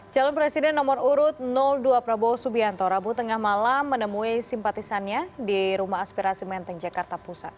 calon presiden nomor urut dua prabowo subianto rabu tengah malam menemui simpatisannya di rumah aspirasi menteng jakarta pusat